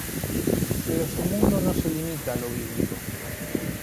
Pero su mundo no se limita a lo bíblico.